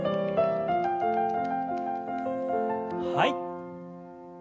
はい。